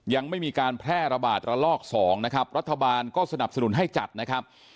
ยังไม่มีการแพร่ระบาดระลอกสองนะครับรัฐบาลก็สนับสนุนให้จัดนะครับ